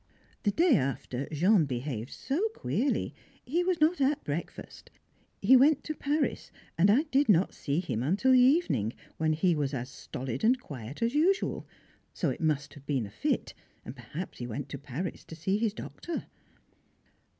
The day after Jean behaved so queerly, he was not at breakfast; he went to Paris and I did not see him until the evening, when he was as stolid and quiet as usual, so it must have been a fit, and perhaps he went up to Paris to see his doctor.